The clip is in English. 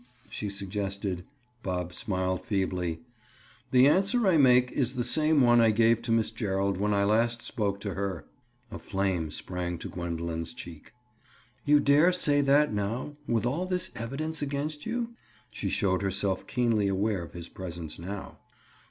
she suggested. Bob smiled feebly. "The answer I make is the same one I gave to Miss Gerald when I last spoke to her." A flame sprang to Gwendoline's cheek. "You dare say that now—with all this evidence against you?" She showed herself keenly aware of his presence now.